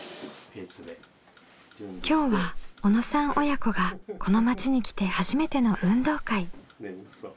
今日は小野さん親子がこの町に来て初めての運動会。